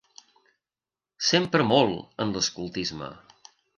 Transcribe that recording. S'empra molt en l'escoltisme.